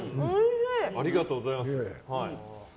ありがとうございます。